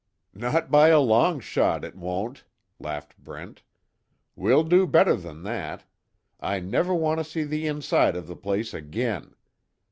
"Not by a long shot, it won't!" laughed Brent, "We'll do better than that. I never want to see the inside of the place again!